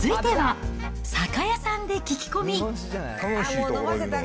続いては、酒屋さんで聞き込み。